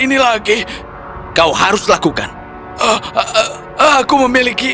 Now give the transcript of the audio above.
belum tidak lupakan yang kamu itu